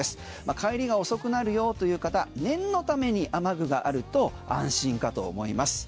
帰りが遅くなるよという方念のために雨具があると安心かと思います。